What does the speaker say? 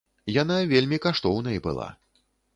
Яна вельмі каштоўнай была.